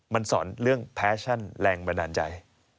มันสอนเรื่องแฟชั่นแรงบันดาลใจ